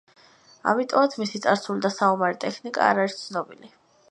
ამიტომაც მისი წარსული და საომარი ტექნიკა არ არის ცნობილი.